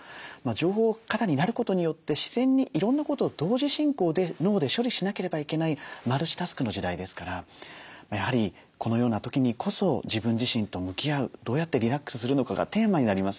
情報過多になることによって自然にいろんなことを同時進行で脳で処理しなければいけないマルチタスクの時代ですからやはりこのような時にこそ自分自身と向き合うどうやってリラックスするのかがテーマになりますよね。